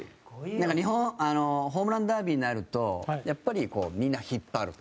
中居：ホームランダービーになると、やっぱり、こうみんなを引っ張ると。